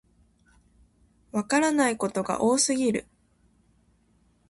わからないことが多すぎる